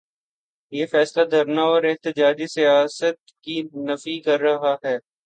یہ فیصلہ دھرنا اور احتجاجی سیاست کی نفی کر رہا ہے۔